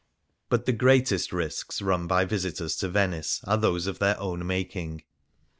But the greatest risks run by visitors to Venice are those of their own making.